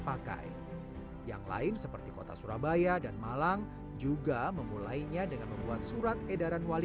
pakai yang lain seperti kota surabaya dan malang juga memulainya dengan membuat surat edaran wali